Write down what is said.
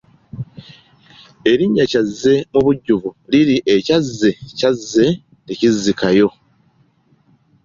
Erinnya Kyazze mu bujjuvu liri Ekyazze kyazze tekizzikayo.